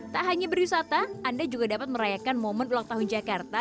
tak hanya berwisata anda juga dapat merayakan momen ulang tahun jakarta